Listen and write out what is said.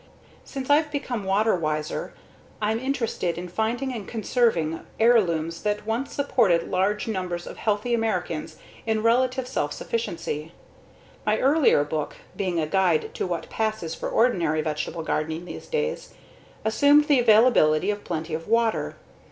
Since I've become water wiser, I'm interested in finding and conserving heirlooms that once supported large numbers of healthy Americans in relative self sufficiency. My earlier book, being a guide to what passes for ordinary vegetable gardening these days, assumed the availability of plenty of water.